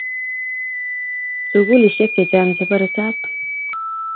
sukulisek che chang che bo resap